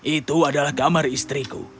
itu adalah kamar istriku